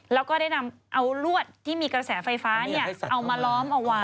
แล้วก็ได้นำเอาลวดที่มีกระแสไฟฟ้าเอามาล้อมเอาไว้